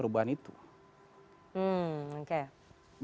oke jadi kalau kita yogy om kaliku ersten